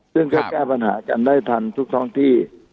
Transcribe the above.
ซึ่งก็แก้ปัญหากันได้ทันทุกท้องที่